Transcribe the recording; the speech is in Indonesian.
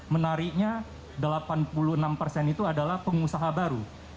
menariknya delapan puluh enam persen itu adalah pengusaha baru